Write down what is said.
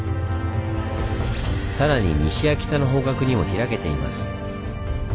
さらに西や北の方角にも開けています。